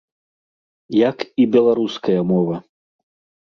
Як і беларуская мова.